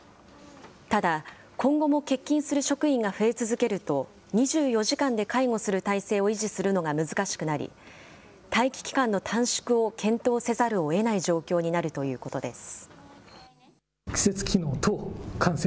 ただ、今後も欠勤する職員が増え続けると、２４時間で介護する態勢を維持するのが難しくなり、待機期間の短縮を検討せざるをえない状況になるということです。